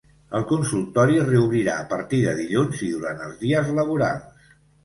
El consultori reobrirà a partir de dilluns i durant els dies laborals.